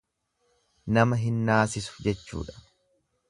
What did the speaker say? Nama hin naasisu jechuudha.